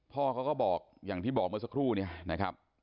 พ่อเขาก็บอกอย่างที่บอกเมื่อสักครู่เนี่ยนะครับ